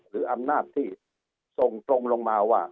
หรืออำนาจที่ส่งตรงลงมาว่า